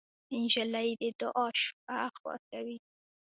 نجلۍ د دعا شپه خوښوي.